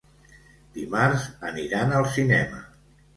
Dimarts aniran al cinema.